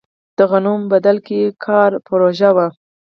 د غنمو بدل کې کار پروژه وه.